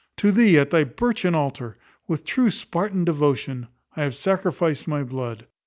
To thee, at thy birchen altar, with true Spartan devotion, I have sacrificed my blood.